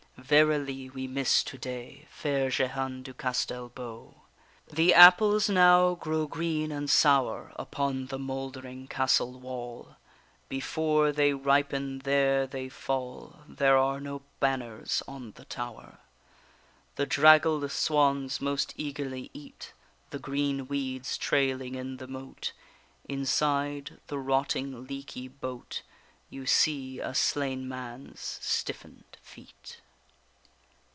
Verily we miss to day Fair Jehane du Castel beau. The apples now grow green and sour Upon the mouldering castle wall, Before they ripen there they fall: There are no banners on the tower, The draggled swans most eagerly eat The green weeds trailing in the moat; Inside the rotting leaky boat You see a slain man's stiffen'd feet.